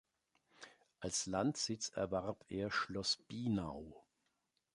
Als Landsitz erwarb er Schloss Binau.